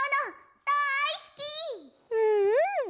うんうん！